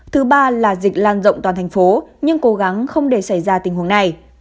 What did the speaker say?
thứ ba là dịch lan rộng toàn thành phố nhưng cố gắng không để xảy ra tình huống này